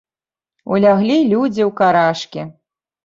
Уляглі людзі ў карашкі.